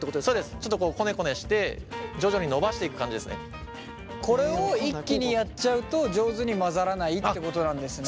ちょっとこねこねしてこれを一気にやっちゃうと上手に混ざらないってことなんですね？